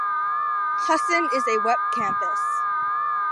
Husson is a wet campus.